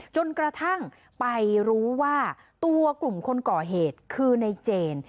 จนกระทั่งไปรู้ว่าตัวกลุ่มคนก่อเหตุคือในเจน